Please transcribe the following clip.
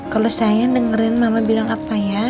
kalau saya dengerin mama bilang apa ya